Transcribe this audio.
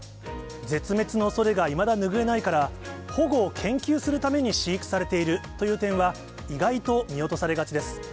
絶滅のおそれがいまだ拭えないから、保護を研究するために飼育されているという点は、意外と見落とされがちです。